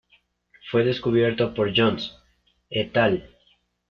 Fue descubierto por Jones "et al.